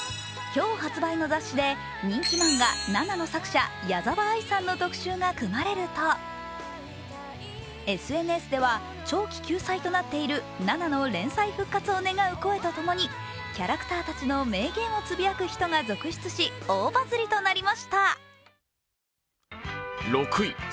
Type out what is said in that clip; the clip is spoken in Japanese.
今日発売の雑誌で人気漫画「ＮＡＮＡ」の作者矢沢あいさんの特集が組まれるとＳＮＳでは、長期休載となっている「ＮＡＮＡ」の連載復活を願う声とともに、キャラクターたちの名言をつぶやく人が続出し、大バズりとなりました。